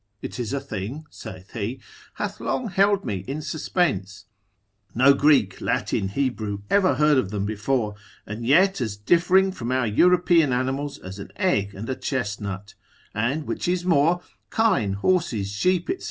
It is a thing (saith he) hath long held me in suspense; no Greek, Latin, Hebrew ever heard of them before, and yet as differing from our European animals, as an egg and a chestnut: and which is more, kine, horses, sheep, &c.